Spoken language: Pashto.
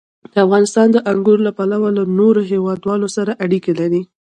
افغانستان د انګور له پلوه له نورو هېوادونو سره اړیکې لري.